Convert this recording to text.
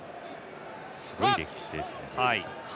すごい歴史ですね。